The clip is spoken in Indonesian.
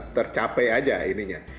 tercapek aja ininya